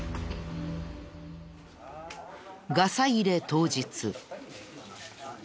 ガサ入れ当日。